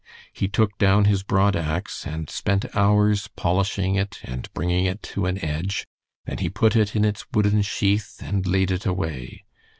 He took down his broad axe and spent hours polishing it and bringing it to an edge, then he put it in its wooden sheath and laid it away.